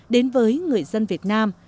đến với người dân việt nam